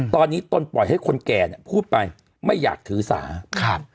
ตอนนี้ตนปล่อยให้คนแก่เนี่ยพูดไปไม่อยากถือสาครับ